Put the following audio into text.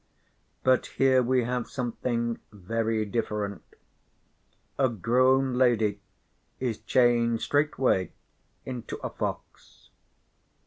But here we have something very different. A grown lady is changed straightway into a fox.